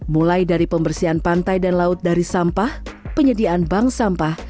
mulai dari pembersihan pantai dan laut dari sampah penyediaan bank sampah